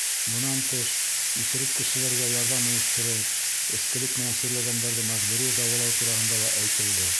Бынан тыш, иҫерек кешеләргә ярҙам ойоштороу, эскелек менән сирләгәндәрҙе мәжбүри дауалау тураһында ла әйтелде.